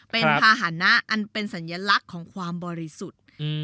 เป็นภาษณะอันเป็นสัญลักษณ์ของความบริสุทธิ์